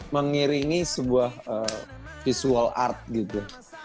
mengiringi sebuah visual art gitu